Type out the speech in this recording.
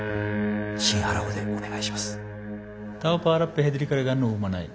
シンハラ語でお願いします。